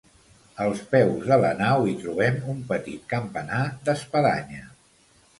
Als peus de la nau hi trobem un petit campanar d'espadanya.